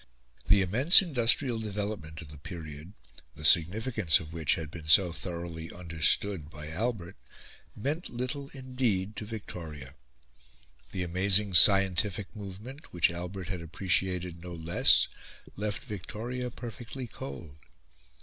The immense industrial development of the period, the significance of which had been so thoroughly understood by Albert, meant little indeed to Victoria. The amazing scientific movement, which Albert had appreciated no less, left Victoria perfectly cold.